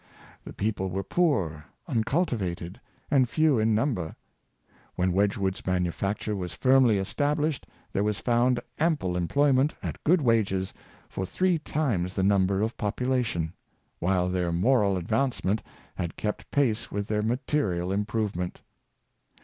The people were poor, uncultivated, and few in number. When Wedgwood's manufacture was firmly established there was found ample employment, at good wages, for three times the number of population; while their moral advancement had kept pace with their material im provement.